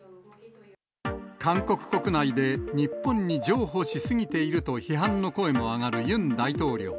韓国国内で日本に譲歩し過ぎていると批判の声も上がるユン大統領。